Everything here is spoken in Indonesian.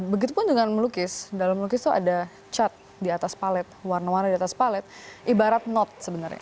begitupun dengan melukis dalam melukis itu ada cat di atas palet warna warna di atas palet ibarat note sebenarnya